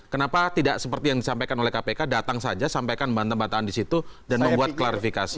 kenapa tidak seperti yang disampaikan oleh kpk datang saja sampaikan bantahan di situ dan membuat klarifikasi